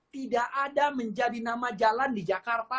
tidak ada menjadi nama jalan di jakarta